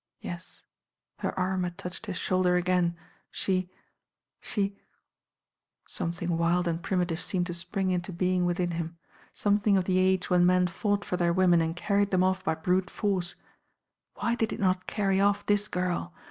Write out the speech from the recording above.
Yes, her arm had touched his shoulder again. She — she Something wild and primitive seemed to spring into being within him. Something of the age when men fought for their women and carried them off b/ brute force. Why did he not carry off this girl?